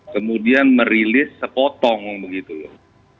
kemudian merilis sepotong begitu loh